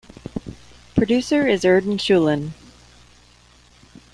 Producer is Erdenechulun.